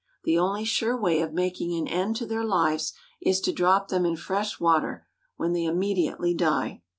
The only sure way of making an end to their lives is to drop them in fresh water, when they immediately die.